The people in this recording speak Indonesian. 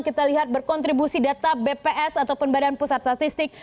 kita lihat berkontribusi data bps atau pembarian pusat statistik